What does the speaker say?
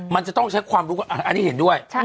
มันจะต้องใช้ความรู้อันนี้เห็นด้วย